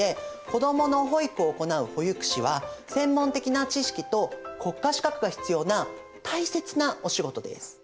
子どもの保育を行う保育士は専門的な知識と国家資格が必要な大切なお仕事です。